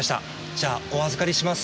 じゃあお預りします。